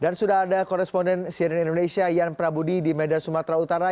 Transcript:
dan sudah ada koresponden siden indonesia yan prabudi di medan sumatera utara